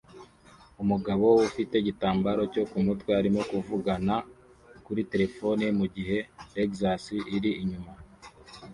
Umugabo ufite igitambaro cyo mumutwe arimo kuvugana kuri terefone mugihe Lexus iri inyuma